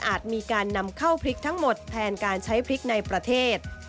มีการนำเข้าพริกทั้งหมดแทนการใช้พริกในประเทศ